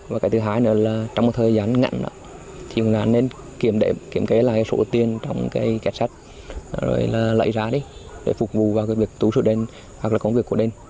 và cái thứ hai nữa là trong một thời gian ngặn đó thì công an nên kiểm kế lại số tiền trong kết sát rồi lấy ra để phục vụ vào việc tù sự đền hoặc là công việc của đền